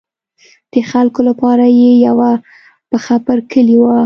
د خلکو لپاره یې یوه پښه پر کلي وه.